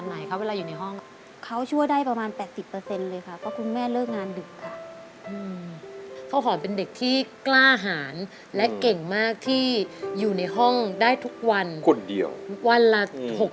เห็นบอกว่าพี่ที่ไปเก็บภาพชีวิตแอบชมมาบอกห้องสะอาดมาก